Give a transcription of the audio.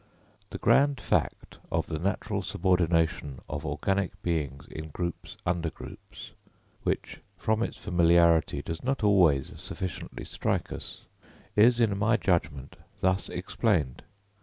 The grand fact of the natural subordination of organic beings in groups under groups, which, from its familiarity, does not always sufficiently strike us, is in my judgment thus explained.